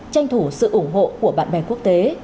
tranh thủ sự ủng hộ của bạn bè quốc tế